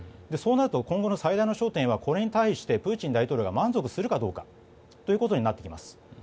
そうなると、今後の最大の焦点はこれに対してプーチン大統領が満足するかどうかになってきます。